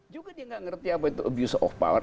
juga dia nggak ngerti apa itu abuse of power